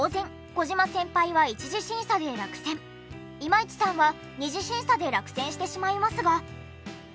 今市さんは２次審査で落選してしまいますが。